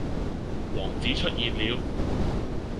王子出現了